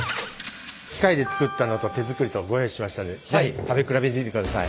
機械で作ったのと手作りとご用意しましたので是非食べ比べてみてください。